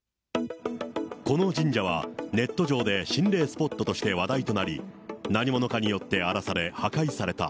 この神社はネット上で心霊スポットとして話題となり、何者かによって荒らされ破壊された。